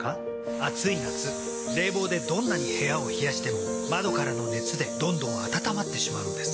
暑い夏冷房でどんなに部屋を冷やしても窓からの熱でどんどん暖まってしまうんです。